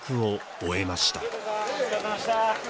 お疲れさまでした。